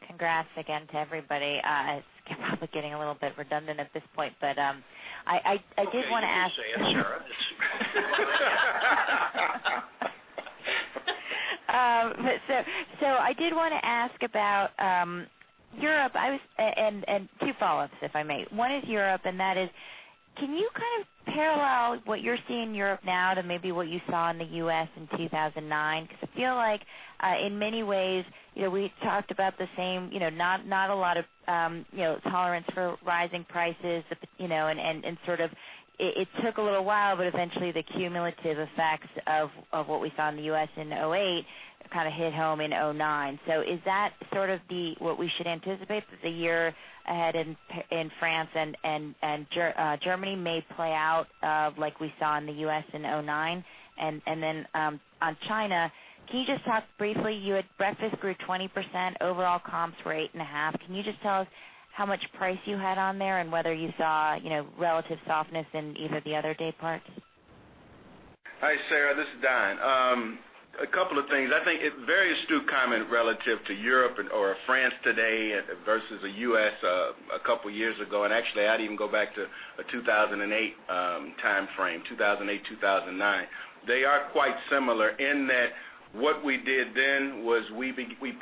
Congrats again to everybody. It's probably getting a little bit redundant at this point, but I did want to ask. You can say it, Sara. I did want to ask about Europe, and two follow-ups, if I may. One is Europe, and that is, can you kind of parallel what you're seeing in Europe now to maybe what you saw in the U.S. in 2009? I feel like in many ways, we talked about the same, not a lot of tolerance for rising prices, and it took a little while, but eventually the cumulative effects of what we saw in the U.S. in 2008 kind of hit home in 2009. Is that sort of what we should anticipate, that the year ahead in France and Germany may play out like we saw in the U.S. in 2009? On China, can you just talk briefly? Breakfast grew 20%, overall comps were 8.5%. Can you just tell us how much price you had on there and whether you saw relative softness in either the other day part? Hi, Sarah. This is Don. A couple of things. I think it's a very astute comment relative to Europe or France today versus the U.S. a couple of years ago. I'd even go back to a 2008 time frame, 2008-2009. They are quite similar in that what we did then was we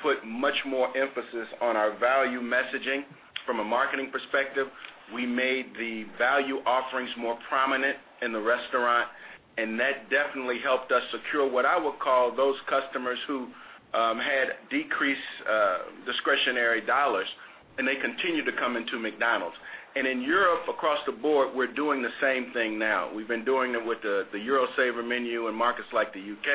put much more emphasis on our value messaging from a marketing perspective. We made the value offerings more prominent in the restaurant, and that definitely helped us secure what I would call those customers who had decreased discretionary dollars, and they continued to come into McDonald's. In Europe, across the board, we're doing the same thing now. We've been doing it with the Eurosaver menu in markets like the U.K.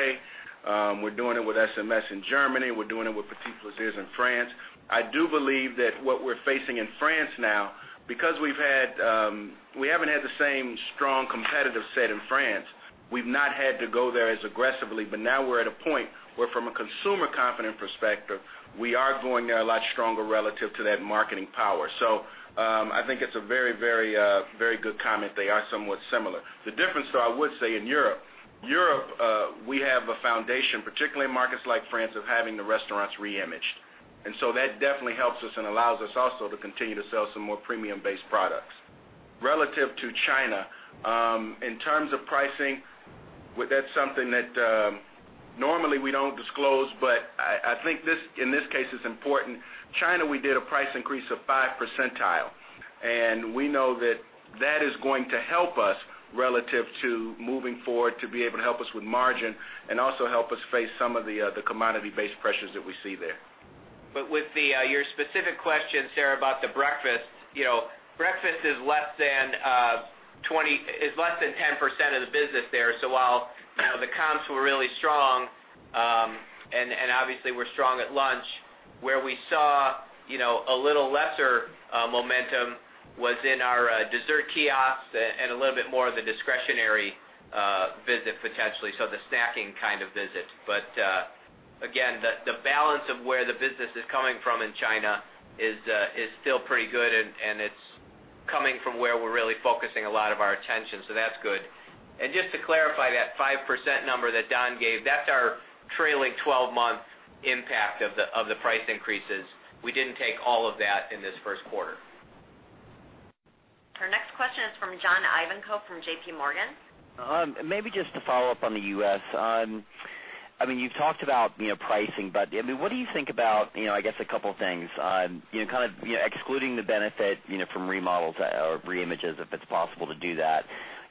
We're doing it with SMS in Germany. We're doing it with P'tits Plaisirs in France. I do believe that what we're facing in France now, because we haven't had the same strong competitive set in France, we've not had to go there as aggressively. Now we're at a point where, from a consumer confident perspective, we are going there a lot stronger relative to that marketing power. I think it's a very, very good comment. They are somewhat similar. The difference, though, I would say in Europe, we have a foundation, particularly in markets like France, of having the restaurants reimaged. That definitely helps us and allows us also to continue to sell some more premium-based products. Relative to China, in terms of pricing, that's something that normally we don't disclose, but I think in this case it's important. China, we did a price increase of 5%, and we know that is going to help us relative to moving forward to be able to help us with margin and also help us face some of the commodity-based pressures that we see there. With your specific question, Sara, about the breakfast, breakfast is less than 10% of the business there. While the comps were really strong, and obviously we're strong at lunch, where we saw a little lesser momentum was in our dessert kiosks and a little bit more of the discretionary visit potentially, the snacking kind of visit. Again, the balance of where the business is coming from in China is still pretty good, and it's coming from where we're really focusing a lot of our attention. That's good. Just to clarify, that 5% number that Don gave, that's our trailing 12-month impact of the price increases. We didn't take all of that in this first quarter. Our next question is from John Ivankoe from JPMorgan. Maybe just to follow up on the U.S. I mean, you've talked about pricing, but what do you think about, I guess, a couple of things, kind of excluding the benefit from remodels or reimaging if it's possible to do that.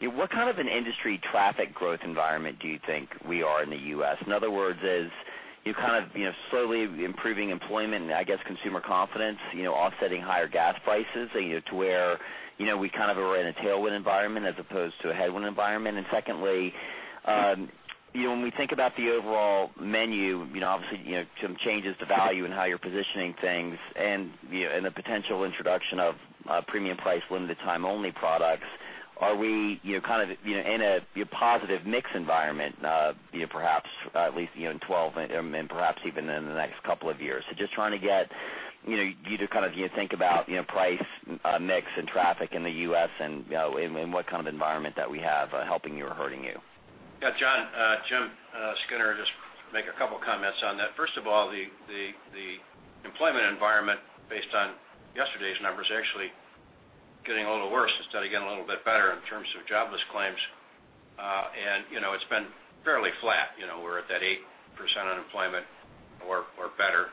What kind of an industry traffic growth environment do you think we are in the U.S.? In other words, is kind of slowly improving employment and, I guess, consumer confidence, offsetting higher gas prices to where we kind of are in a tailwind environment as opposed to a headwind environment? Secondly, when we think about the overall menu, obviously some changes to value and how you're positioning things and the potential introduction of premium priced limited time only products, are we kind of in a positive mix environment, perhaps at least in 2012 and perhaps even in the next couple of years? Just trying to get you to kind of think about price mix and traffic in the U.S. and in what kind of environment that we have helping you or hurting you. Yeah, John, Jim Skinner just makes a couple of comments on that. First of all, the employment environment based on yesterday's numbers is actually getting a little worse instead of getting a little bit better in terms of jobless claims. It's been fairly flat. We're at that 8% unemployment or better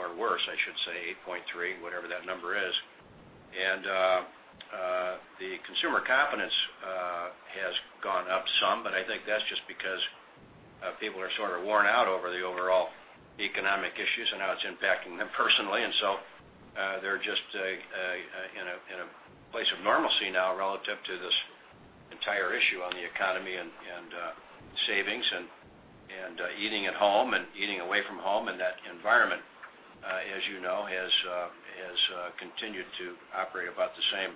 or worse, I should say, 8.3%, whatever that number is. The consumer confidence has gone up some, but I think that's just because people are sort of worn out over the overall economic issues and how it's impacting them personally. They're just in a place of normalcy now relative to this entire issue on the economy and savings and eating at home and eating away from home. That environment, as you know, has continued to operate about the same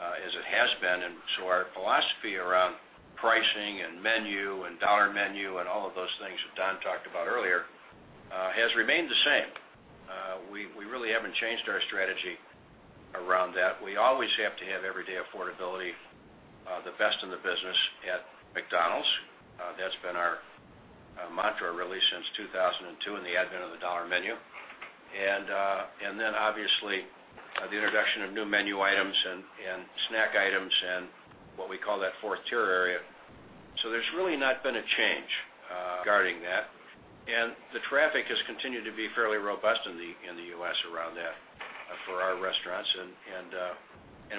as it has been. Our philosophy around pricing and menu and dollar menu and all of those things that Don talked about earlier has remained the same. We really haven't changed our strategy around that. We always have to have everyday affordability, the best in the business at McDonald's. That's been our mantra really since 2002 and the advent of the dollar menu. Obviously, the introduction of new menu items and snack items and what we call that fourth tier area. There's really not been a change regarding that. The traffic has continued to be fairly robust in the U.S. around that for our restaurants.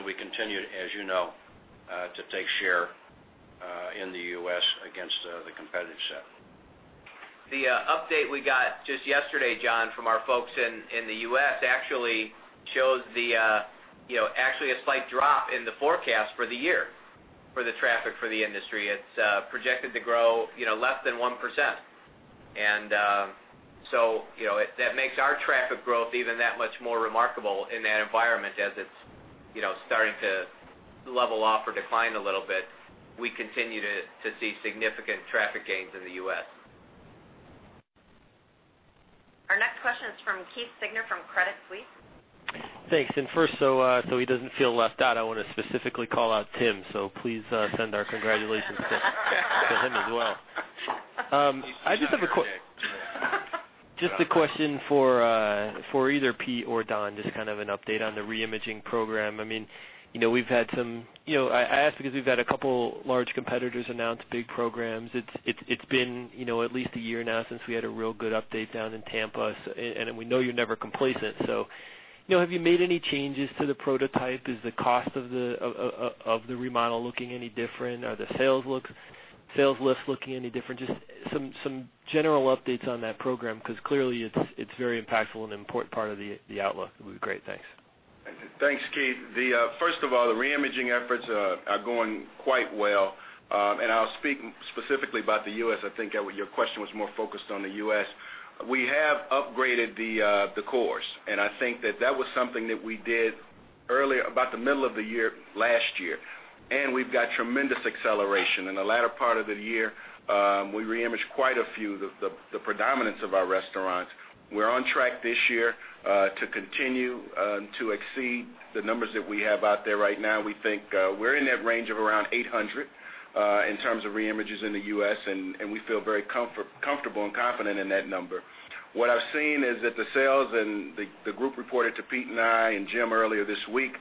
We continue, as you know, to take share in the U.S. against the competitive set. The update we got just yesterday, John, from our folks in the U.S. actually shows a slight drop in the forecast for the year for the traffic for the industry. It's projected to grow less than 1%. That makes our traffic growth even that much more remarkable in that environment as it's starting to level off or decline a little bit. We continue to see significant traffic gains in the U.S. Our next question is from Keith Siegner from Credit Suisse. Thanks. First, so he doesn't feel left out, I want to specifically call out Tim. Please send our congratulations to him as well. I just have a question for either Pete or Don, just kind of an update on the reimaging program. I ask because we've had a couple of large competitors announce big programs. It's been at least a year now since we had a real good update down in Tampa. We know you're never complacent. Have you made any changes to the prototype? Is the cost of the remodel looking any different? Are the sales lifts looking any different? Just some general updates on that program, because clearly it's very impactful and an important part of the outlook. It would be great. Thanks. Thanks, Keith. First of all, the reimaging efforts are going quite well. I'll speak specifically about the U.S. I think your question was more focused on the U.S. We have upgraded the course, and I think that was something that we did earlier about the middle of the year last year. We've got tremendous acceleration. In the latter part of the year, we reimaged quite a few of the predominance of our restaurants. We're on track this year to continue to exceed the numbers that we have out there right now. We think we're in that range of around 800 in terms of reimages in the U.S., and we feel very comfortable and confident in that number. What I've seen is that the sales and the group reported to Pete and I and Jim earlier this week,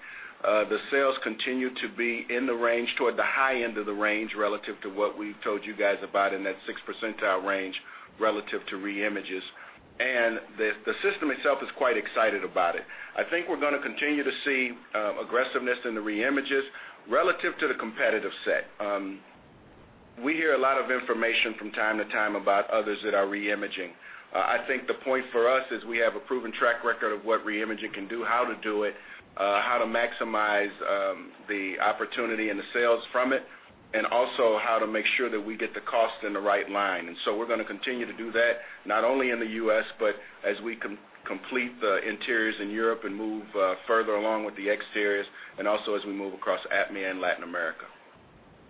the sales continue to be in the range toward the high end of the range relative to what we told you guys about in that 6% range relative to reimages. The system itself is quite excited about it. I think we're going to continue to see aggressiveness in the reimages relative to the competitive set. We hear a lot of information from time to time about others that are reimaging. The point for us is we have a proven track record of what reimaging can do, how to do it, how to maximize the opportunity in the sales from it, and also how to make sure that we get the cost in the right line. We're going to continue to do that not only in the U.S., but as we complete the interiors in Europe and move further along with the exteriors and also as we move across APMIA and Latin America.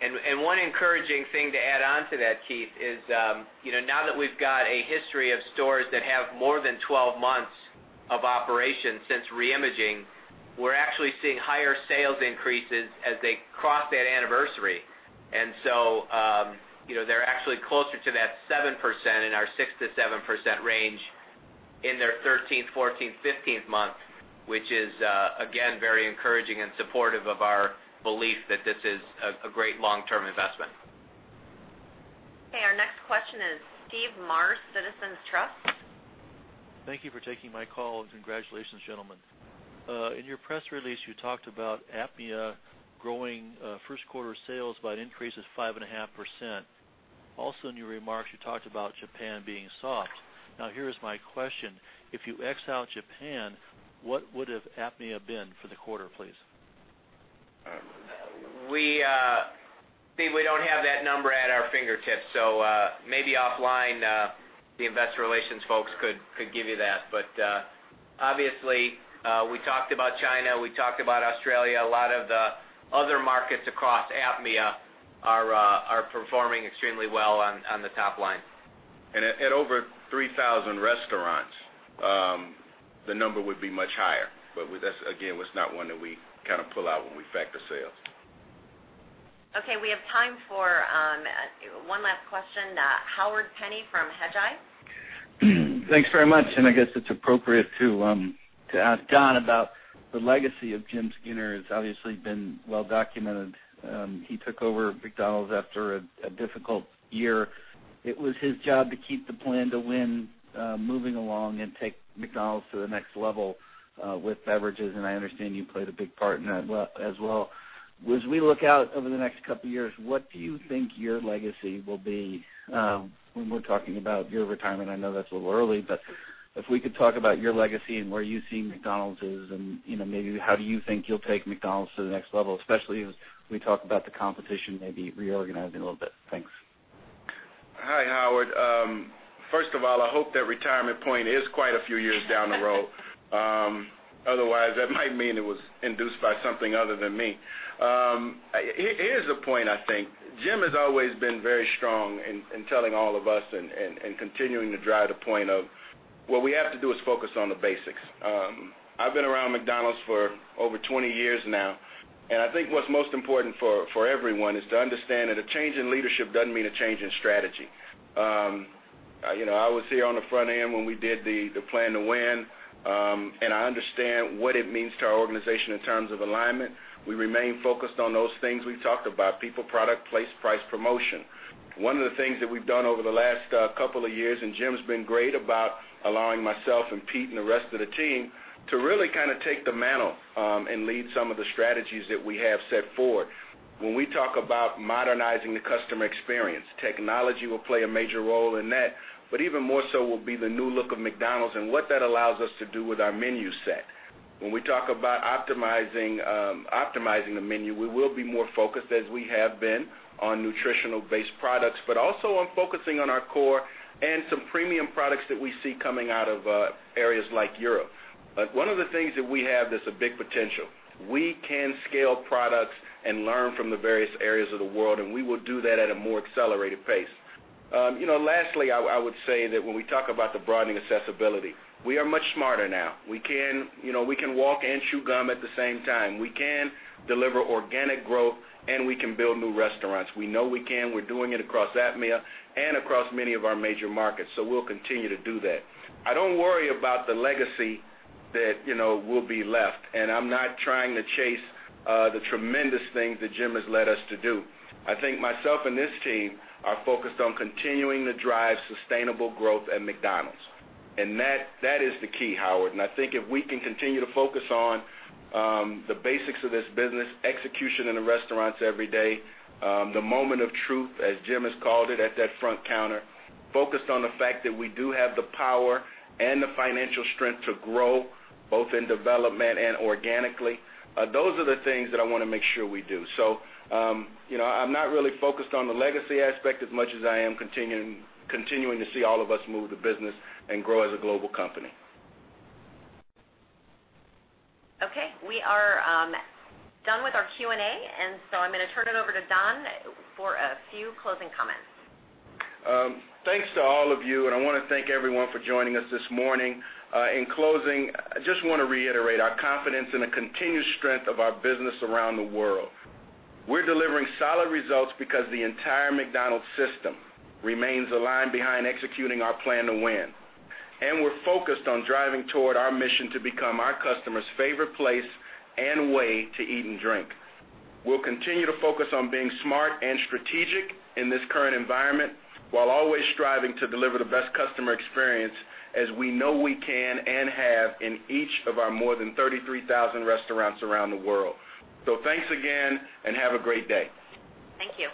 One encouraging thing to add on to that, Keith, is now that we've got a history of stores that have more than 12 months of operation since reimaging, we're actually seeing higher sales increases as they cross that anniversary. They're actually closer to that 7% in our 6%-7% range in their 13th, 14th, 15th month, which is again very encouraging and supportive of our belief that this is a great long-term investment. Our next question is Steve Mars, Citizens Trust. Thank you for taking my call and congratulations, gentlemen. In your press release, you talked about APMIA growing first quarter sales by an increase of 5.5%. Also, in your remarks, you talked about Japan being soft. Now here is my question. If you exclude Japan, what would APMIA have been for the quarter, please? We don't have that number at our fingertips, so maybe offline the Investor Relations folks could give you that. Obviously, we talked about China and we talked about Australia. A lot of the other markets across APMIA are performing extremely well on the top line. At over 3,000 restaurants, the number would be much higher. However, it's not one that we kind of pull out when we factor sales. OK, we have time for one last question. Howard Penney from Hedgeye. Thanks very much. I guess it's appropriate to ask Don about the legacy of Jim Skinner. It's obviously been well documented. He took over McDonald's after a difficult year. It was his job to keep the Plan to Win moving along and take McDonald's to the next level with beverages. I understand you played a big part in that as well. As we look out over the next couple of years, what do you think your legacy will be when we're talking about your retirement? I know that's a little early, but if we could talk about your legacy and where you see McDonald's is and maybe how you think you'll take McDonald's to the next level, especially as we talk about the competition maybe reorganizing a little bit. Thanks. Hi, Howard. First of all, I hope that retirement point is quite a few years down the road. Otherwise, that might mean it was induced by something other than me. Here's the point, I think. Jim has always been very strong in telling all of us and continuing to drive the point of what we have to do is focus on the basics. I've been around McDonald's for over 20 years now, and I think what's most important for everyone is to understand that a change in leadership doesn't mean a change in strategy. I was here on the front end when we did the Plan to Win, and I understand what it means to our organization in terms of alignment. We remain focused on those things we talked about: people, product, place, price, promotion. One of the things that we've done over the last couple of years, and Jim's been great about allowing myself and Pete and the rest of the team to really kind of take the mantle and lead some of the strategies that we have set forward. When we talk about modernizing the customer experience, technology will play a major role in that, but even more so will be the new look of McDonald's and what that allows us to do with our menu set. When we talk about optimizing the menu, we will be more focused, as we have been, on nutritional-based products, but also on focusing on our core and some premium products that we see coming out of areas like Europe. One of the things that we have that's a big potential, we can scale products and learn from the various areas of the world, and we will do that at a more accelerated pace. Lastly, I would say that when we talk about the broadening accessibility, we are much smarter now. We can walk and chew gum at the same time. We can deliver organic growth, and we can build new restaurants. We know we can. We're doing it across APMIA and across many of our major markets. We will continue to do that. I don't worry about the legacy that will be left, and I'm not trying to chase the tremendous things that Jim has led us to do. I think myself and this team are focused on continuing to drive sustainable growth at McDonald's. That is the key, Howard. I think if we can continue to focus on the basics of this business, execution in the restaurants every day, the moment of truth, as Jim has called it, at that front counter, focused on the fact that we do have the power and the financial strength to grow both in development and organically, those are the things that I want to make sure we do. I'm not really focused on the legacy aspect as much as I am continuing to see all of us move the business and grow as a global company. OK, we are done with our Q&A, and I am going to turn it over to Don for a few closing comments. Thanks to all of you, and I want to thank everyone for joining us this morning. In closing, I just want to reiterate our confidence in the continued strength of our business around the world. We're delivering solid results because the entire McDonald's system remains aligned behind executing our Plan to Win. We're focused on driving toward our mission to become our customers' favorite place and way to eat and drink. We'll continue to focus on being smart and strategic in this current environment while always striving to deliver the best customer experience as we know we can and have in each of our more than 33,000 restaurants around the world. Thanks again, and have a great day. Thank you.